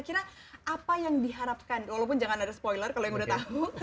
kira apa yang diharapkan walaupun jangan ada spoiler kalau yang udah tahu